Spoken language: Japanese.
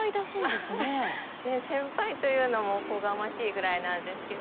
先輩というのもおこがましいぐらいなんですけど。